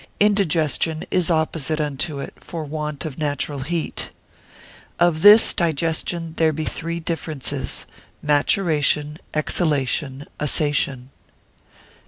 Indigestion is opposite unto it, for want of natural heat. Of this digestion there be three differences—maturation, elixation, assation.